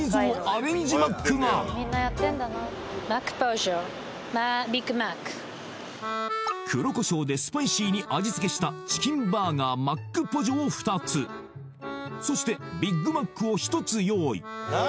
アレンジマックが黒コショウでスパイシーに味付けしたチキンバーガーマックポジョを２つそしてビッグマックを１つ用意